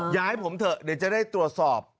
ให้ผมเถอะเดี๋ยวจะได้ตรวจสอบ